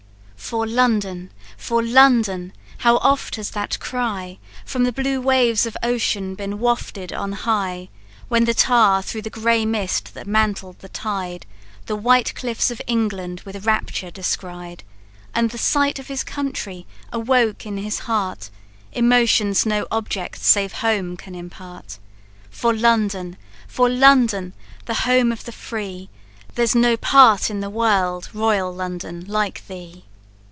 "For London! for London! how oft has that cry From the blue waves of ocean been wafted on high, When the tar through the grey mist that mantled the tide, The white cliffs of England with rapture descried, And the sight of his country awoke in his heart Emotions no object save home can impart! For London! for London! the home of the free, There's no part in the world, royal London, like thee!